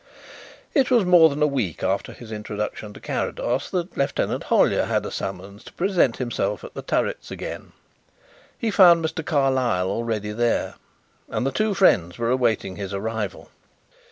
It was more than a week after his introduction to Carrados that Lieutenant Hollyer had a summons to present himself at The Turrets again. He found Mr. Carlyle already there and the two friends were awaiting his arrival.